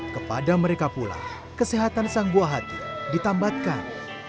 kepada mereka pula kesehatan sang buah hati ditambatkan